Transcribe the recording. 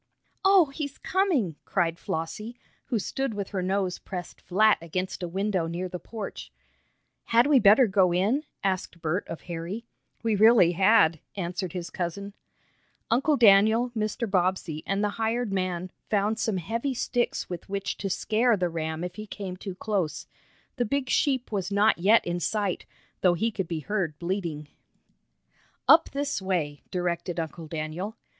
"Oh, he's coming!" cried Flossie, who stood with her nose pressed flat against a window near the porch. "Had we better go in?" asked Bert of Harry. "We really had," answered his cousin. Uncle Daniel, Mr. Bobbsey and the hired man found some heavy sticks with which to scare the ram if he came too close. The big sheep was not yet in sight, though he could be heard bleating. "Up this way," directed Uncle Daniel.